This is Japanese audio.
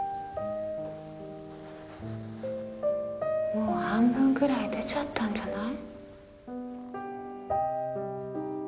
もう半分ぐらい出ちゃったんじゃない？